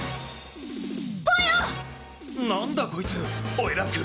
おいラック